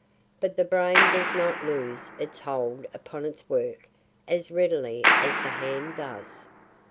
But the brain does not loose its hold upon its work as readily as the hand does.